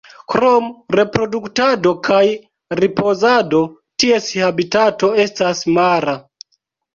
Krom reproduktado kaj ripozado, ties habitato estas mara.